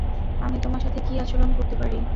আমি তোমার সাথে কী আচরণ করতে পারি?